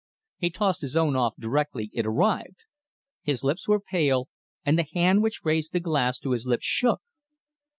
He tossed his own off directly it arrived. His lips were pale, and the hand which raised the glass to his lips shook.